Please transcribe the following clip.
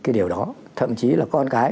cái điều đó thậm chí là con cái